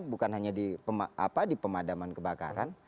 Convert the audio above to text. bukan hanya di pemadaman kebakaran